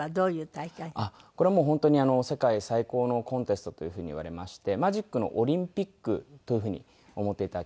あっこれはもう本当に世界最高のコンテストというふうにいわれましてマジックのオリンピックというふうに思って頂けると。